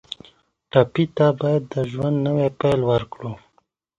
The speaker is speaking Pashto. ټپي ته باید د ژوند نوی پیل ورکړو.